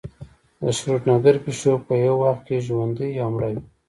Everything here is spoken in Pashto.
د شروډنګر پیشو په یو وخت کې ژوندۍ او مړه وي.